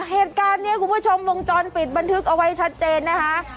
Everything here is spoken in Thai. เหตุการณ์นี้คุณผู้ชมวงจรปิดบันทึกเอาไว้ชัดเจนนะคะ